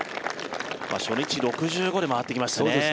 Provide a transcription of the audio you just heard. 初日６５で回ってきましたね。